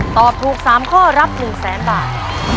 ตอบถูก๓ข้อรับ๑แสนบาท